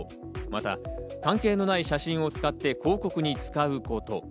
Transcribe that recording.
また関係のない写真を使って広告に使うこと。